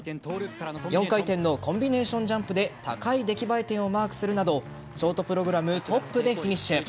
４回転のコンビネーションジャンプで高い出来栄え点をマークするなどショートプログラムトップでフィニッシュ。